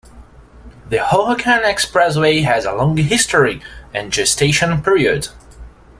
The Hohokam Expressway has a long history and gestation period.